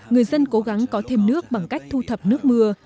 người dân cố gắng có thêm nước bằng cách thu thập nước mưa